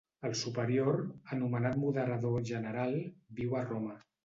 El superior, anomenat moderador general, viu a Roma.